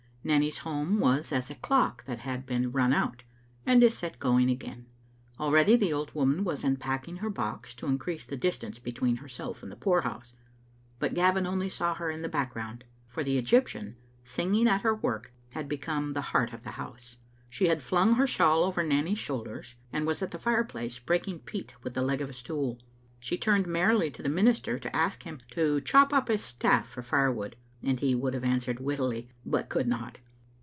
Nanny's home was as a clock that had been run out, and is set going again. Already the old woman was unpacking her box, to increase the distance between herself and the poorhouse. But Gavin only saw her in the background, for the Egyptian, singing at her work, had become the heart of the house. She had flung her shawl over Nanny's shoulders, and was at the fireplace breaking peats with the leg of a stool. She turned merrily to the minister to ask him to chop up his staflE for firewood, and he would have answered wittily but could not.